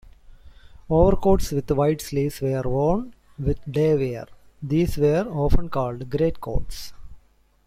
Overcoats with wide sleeves were worn with day wear; these were often called "greatcoats".